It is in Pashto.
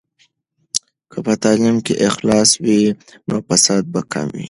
که په تعلیم کې اخلاص وي، نو فساد به کم وي.